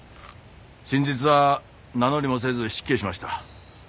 先日は名乗りもせず失敬しました。